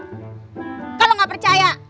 kalo gak percaya